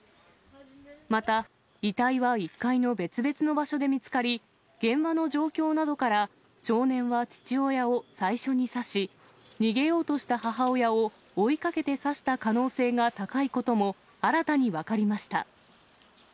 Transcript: また、遺体は１階の別々の場所で見つかり、現場の状況などから、少年は父親を最初に刺し、逃げようとした母親を追いかけて刺した可能性が高いことも新たに分かりました。